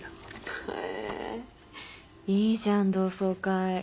へぇいいじゃん同窓会。